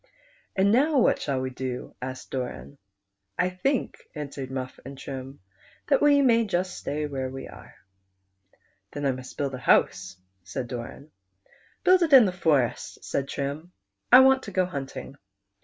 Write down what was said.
" And now what shall we do ?" asked Doran. " I think," answered Viwii and Trim, " that wc may just stay where we are." " Then I must build a house," said Doran. " Build it in the forest," said Trim ;" I want to go hunting."